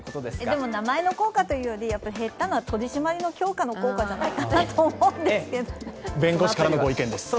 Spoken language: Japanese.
でも名前の効果というより、減ったのは取締りの強化の効果だと思うんですけど。